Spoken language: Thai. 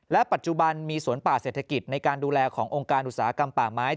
ปัจจุบันมีสวนป่าเศรษฐกิจในการดูแลขององค์การอุตสาหกรรมป่าไม้